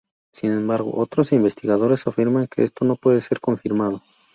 Sin embargo, otros investigadores afirman que esto no puede ser confirmado.